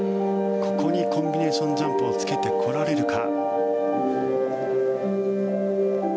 ここにコンビネーションジャンプをつけてこられるか。